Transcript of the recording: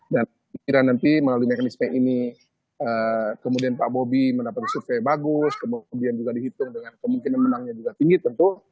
dan kira nanti melalui mekanisme ini kemudian pak bobi mendapatkan survei bagus kemudian juga dihitung dengan kemungkinan menangnya juga tinggi tentu